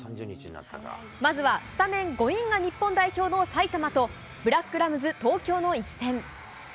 まずはスタメン５人が日本代表の埼玉と、ブラックラムズ東京の一戦。